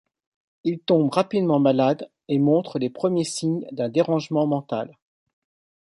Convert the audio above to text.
Il tombe rapidement malade et montre les premiers signes d’un dérangement mental.